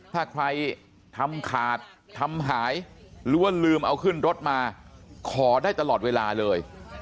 ถ้าใครทำขาดทำหายหรือว่าลืมเอาขึ้นรถมาขอได้ตลอดเวลาเลย